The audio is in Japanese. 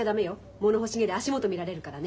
もの欲しげで足元見られるからね。